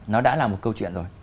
nó đã là một câu chuyện rồi